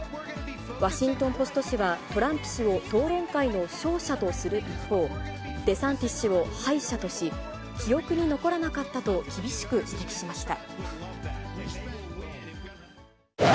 ワシントンポスト紙は、トランプ氏を討論会の勝者とする一方、デサンティス氏を敗者とし、記憶に残らなかったと厳しく指摘しました。